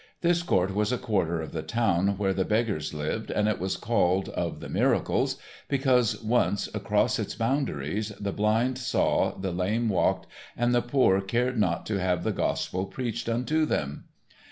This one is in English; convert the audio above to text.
This Court was a quarter of the town where the beggars lived, and it was called "of the miracles", because once across its boundaries the blind saw, the lame walked and the poor cared not to have the gospel preached unto them.